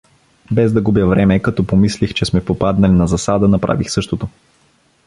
Без да губя време, като помислих, че сме попаднали на засада, направих същото.